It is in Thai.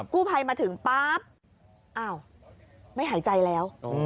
กู้ภัยมาถึงปั๊บอ้าวไม่หายใจแล้ว